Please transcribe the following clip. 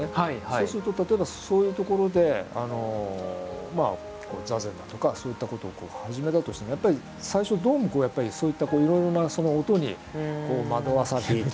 そうすると例えばそういうところで座禅だとかそういったことを始めたとしてもやっぱり最初どうもやっぱりそういったいろいろなその音に惑わされるっていうか。